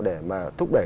để mà thúc đẩy